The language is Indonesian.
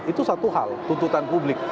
itu satu hal tuntutan publik